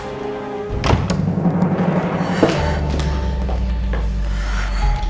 untung aja mama gak ngeliat